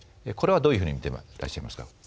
これはどういうふうに見ていらっしゃいますか？